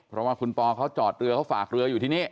เพราะว่าคุณปอเขาจอดเรือเขาฝากเรืออยู่ที่นี่